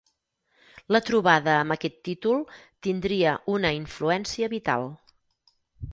La trobada amb aquest títol tindria una influència vital.